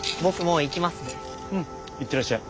うん行ってらっしゃい。